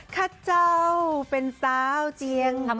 ข้าเจ้าเป็นสาวเจียงใหม่